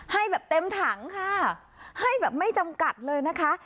ให้แบบเต็มถังค่ะให้แบบไม่จำกัดเลยนะคะ